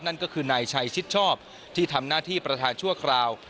นั่นก็คือนายชัยชิดชอบที่ทำหน้าที่ประธานชั่วคราว